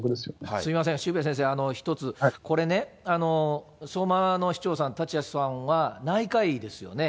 すみません、渋谷先生、１つ、これね、相馬の市長さん、立谷さんは、内科医ですよね。